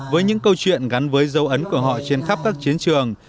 với những câu chuyện gắn với dấu ấn của họ trên khắp các chiến trường